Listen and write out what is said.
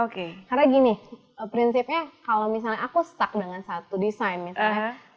karena gini prinsipnya kalau misalnya aku stuck dengan satu desain misalnya